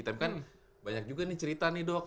tapi kan banyak juga nih cerita nih dok